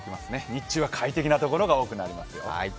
日中は快適なところが多くなりますよ。